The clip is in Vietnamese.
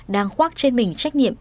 đang khoác trên mình trách nhiệm